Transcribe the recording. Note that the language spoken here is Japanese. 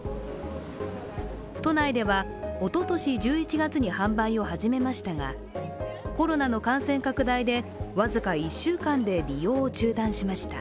都内では、おととし１１月に販売を始めましたがコロナの感染拡大で僅か１週間で利用を中断しました。